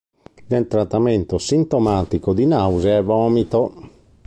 Nel trattamento sintomatico di nausea e vomito.